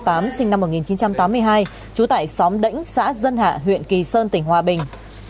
trú tại xóm đĩnh xã dân hạ huyện kỳ sơn tỉnh hòa bình